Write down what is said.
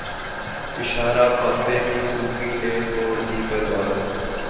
اشارہ پاتے ہی صوفی نے توڑ دی پرہیز